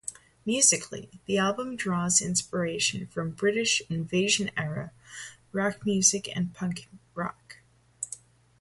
Musically, the album draws inspiration from British Invasion-era rock music and punk rock.